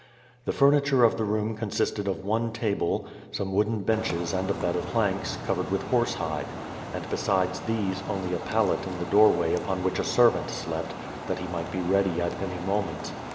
The fur niture of the room consisted of one table, some wooden benches and a bed of planks, covered with horse hide; and besides these only a pallet in the doorway upon which a ser vant slept, that he might be ready at any moment.